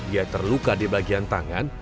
ia terluka di bagian tangan